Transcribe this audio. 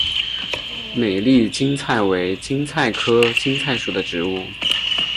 美丽堇菜为堇菜科堇菜属的植物。